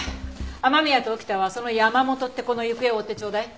雨宮と沖田はその山本って子の行方を追ってちょうだい。